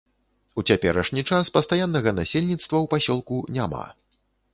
У цяперашні час пастаяннага насельніцтва ў пасёлку няма.